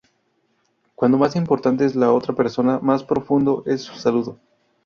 Cuanto más importante es la otra persona, más profundo es su saludo.